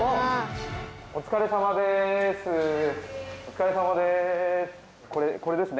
お疲れさまです。